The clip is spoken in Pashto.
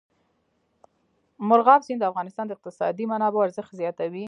مورغاب سیند د افغانستان د اقتصادي منابعو ارزښت زیاتوي.